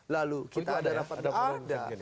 lalu kita ada rapat ada